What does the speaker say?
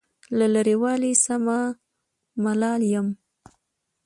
له لرې والي سمه ملال یم.